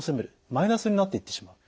マイナスになっていってしまう。